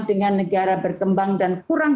dengan negara berkembang dan kurang